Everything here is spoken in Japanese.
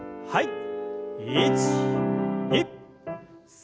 はい。